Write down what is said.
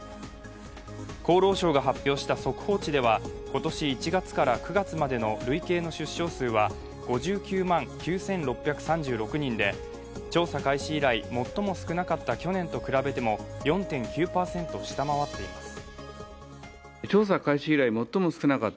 厚労省が発表した速報値では今年１月から９月までの累計の出生数は５９万９６３６人で調査開始以来、最も少なかった去年と比べても４．９％下回っています。